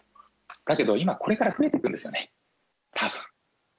だけど今、これから増えていくんですよね、たぶん。